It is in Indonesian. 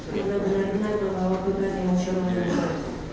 karena benar benar membawa kegagalan yang cerah dan berat